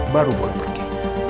baru boleh pergi